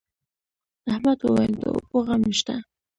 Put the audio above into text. احمد وويل: د اوبو غم نشته.